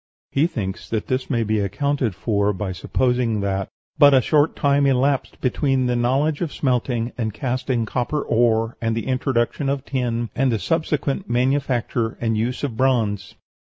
He thinks that this may be accounted for by supposing that "but a short time elapsed between the knowledge of smelting and casting copper ore and the introduction of tin, and the subsequent manufacture and use of bronze."